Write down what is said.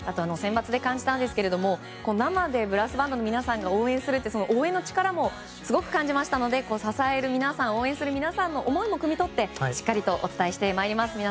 センバツで感じましたが生でブラスバンドの皆さんが応援するって応援の力もすごく感じましたので支える皆さん、応援する皆さんの思いもくみとってしっかりとお伝えして参ります。